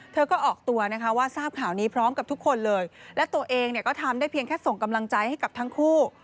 เธอก็ออกตัวนะคะว่าทราบข่าวนี้พร้อมกับทุกคนเลยและตัวเองเนี่ยก็ทำได้เพียงแค่ส่งกำลังใจให้กับทั้งคู่